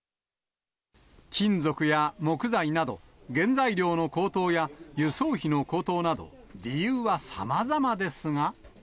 金属や木材など、原材料の高騰や輸送費の高騰など、理由はさまざまですが。